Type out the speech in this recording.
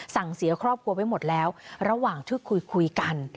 เสียครอบครัวไว้หมดแล้วระหว่างที่คุยกัน